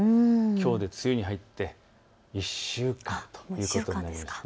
きょうで梅雨に入って１週間ということになります。